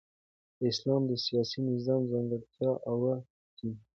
د اسلام د سیاسي نظام ځانګړتیاوي اووه دي.